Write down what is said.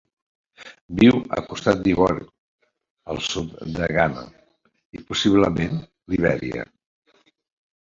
Viu a Costa d'Ivori, el sud de Ghana i, possiblement, Libèria.